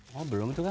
oh belum tuh kan